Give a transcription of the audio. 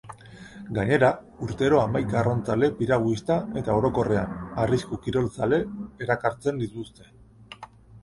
Gainera, urtero hamaika arrantzale, piraguista eta, orokorrean, arrisku-kirolzale erakartzen dituzte.